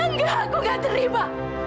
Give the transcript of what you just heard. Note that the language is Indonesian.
nggak aku nggak terima